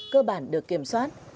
cơ bản được kiểm soát